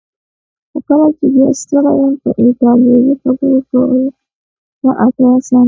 خو کله چې بیا ستړی یم په ایټالوي خبرې کول راته اسانه شي.